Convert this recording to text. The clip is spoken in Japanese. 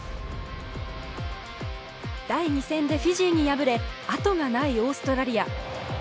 第２戦でフィジーに敗れ後がないオーストラリア。